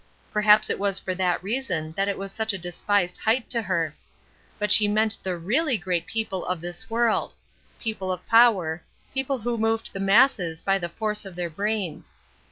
Perhaps it was for that reason that it was such a despised height to her. But she meant the really great people of this world people of power, people who moved the masses by the force of their brains.